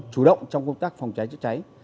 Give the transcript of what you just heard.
chủ động trong công tác phòng cháy chữa cháy